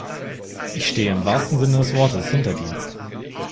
Ich stehe im wahrsten Sinne des Wortes hinter dir.